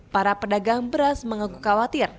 para pedagang beras mengaku khawatir